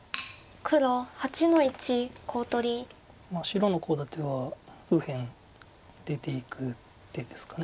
白のコウ立ては右辺出ていく手ですか。